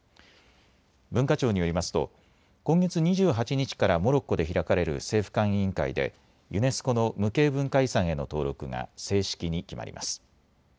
文化庁によりますと今月２８日からモロッコで開かれる政府間委員会でユネスコの無形文化遺産への登録が正式に決まります。